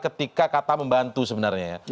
ketika kata membantu sebenarnya ya